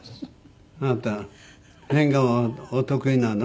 あなた変顔はお得意なの？